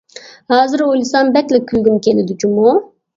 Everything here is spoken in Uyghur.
ھازىر ئويلىسام بەكلا كۈلگۈم كېلىدۇ جۇمۇ!